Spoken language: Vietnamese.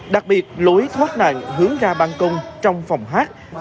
đặc biệt lối thoát nạn hướng ra ban công trong phòng hát